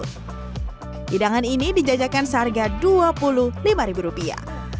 hidangan ini dijajakan seharga dua puluh lima ribu rupiah